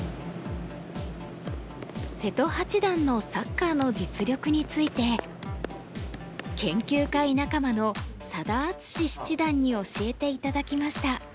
瀬戸八段のサッカーの実力について研究会仲間の佐田篤史七段に教えて頂きました。